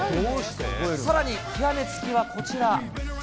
さらに極め付きはこちら。